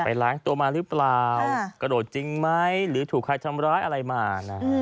ล้างตัวมาหรือเปล่ากระโดดจริงไหมหรือถูกใครทำร้ายอะไรมานะ